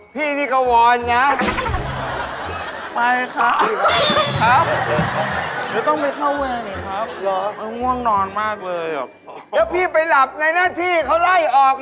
พี่ไม่เห็นใจผมแปลกเลยหรือครับ